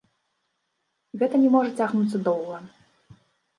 Гэта не можа цягнуцца доўга.